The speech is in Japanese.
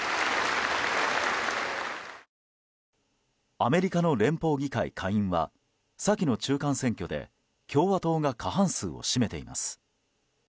アメリカの連邦議会下院は先の中間選挙で共和党が過半数を占めています。